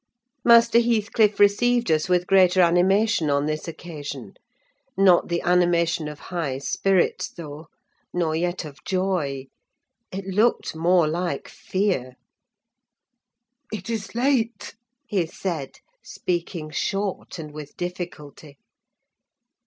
Master Heathcliff received us with greater animation on this occasion: not the animation of high spirits though, nor yet of joy; it looked more like fear. "It is late!" he said, speaking short and with difficulty.